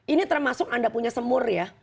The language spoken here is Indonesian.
ini termasuk anda punya semur ya